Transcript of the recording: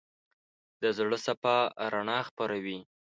د زړه صفا رڼا خپروي.